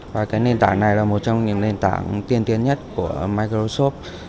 và cái nền tảng này là một trong những nền tảng tiên tiến nhất của microsoft